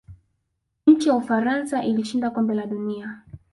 nchi ya ufaransa ilishinda kombe la dunia